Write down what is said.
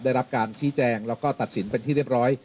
ได้รับการชี้แจงแล้วก็ตัดสินเป็นที่เรียบร้อย